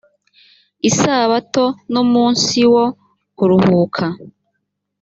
isabato numunsi wo kuruhuka .